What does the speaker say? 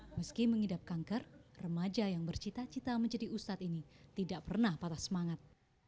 meski mengidap kanker remaja yang bercita cita menjadi ustadz ini tidak pernah patah semangat